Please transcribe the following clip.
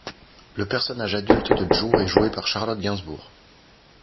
Le personnage adulte de Joe est joué par Charlotte Gainsbourg.